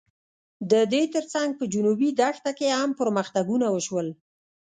د دې تر څنګ په جنوبي دښته کې هم پرمختګونه وشول.